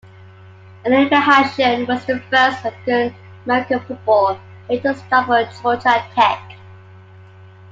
Eddie McAshan was the first African American football player to start for Georgia Tech.